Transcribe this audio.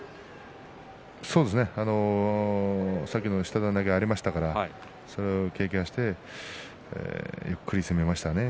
さっきの下手投げがありましたからそれを警戒してゆっくり攻めましたね。